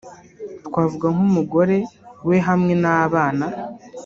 twavuga nk'umugore we hamwe n'abana